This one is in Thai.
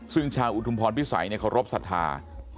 ซึ่งชาวอุทุมพรพิสัยเคารพสัทธา